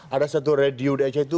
ada satu radio di aceh itu